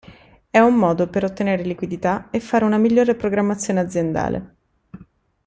È un modo per ottenere liquidità e fare una migliore programmazione aziendale.